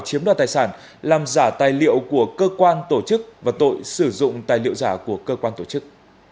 chiếm đoạt tài sản làm giả tài liệu của cơ quan tổ chức và tội sử dụng tài liệu giả của cơ quan tổ chức